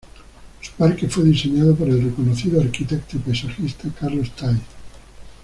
Su parque fue diseñado por el reconocido arquitecto y paisajista Carlos Thays.